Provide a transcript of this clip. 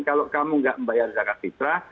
kalau kamu nggak membayar zakat fitrah